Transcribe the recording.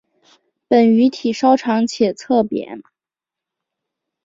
本鱼体稍长且侧扁。